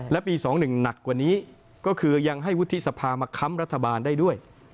และปี๒๑หนักกว่านี้ก็คือยังให้วุฒิสภามาค้ำรัฐบาลได้ด้วย